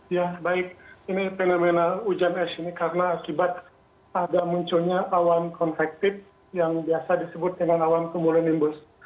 ya baik ini fenomena hujan es ini karena akibat ada munculnya awan konvektif yang biasa disebut dengan awan kumulonimbus